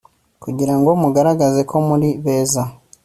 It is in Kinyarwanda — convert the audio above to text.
kugira ngo mugaragaze ko muri beza